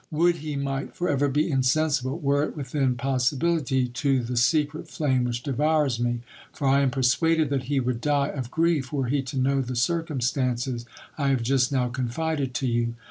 Would he might for ever be insensible, were it within possibility, to the secret flame which devours me : for I am persuaded that he would die of grief, were he to know the circumstances I have just now confided to you.